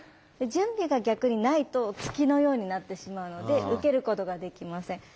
準備が逆にないと突きのようになってしまうので受けることができません。